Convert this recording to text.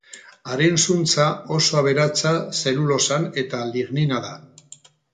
Haren zuntza oso aberatsa zelulosan eta lignina da.